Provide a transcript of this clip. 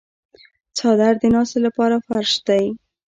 څادر د ناستې لپاره فرش دی.